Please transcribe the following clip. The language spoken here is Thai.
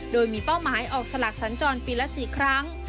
โดยมีเป้าหมายออกสลากสัญจรปีละ๔ครั้ง